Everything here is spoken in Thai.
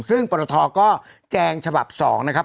ซึ่งปรทก็แจงฉบับ๒นะครับ